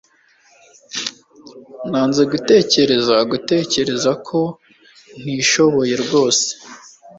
Nanze gutekereza gutekereza ko ntishoboye rwose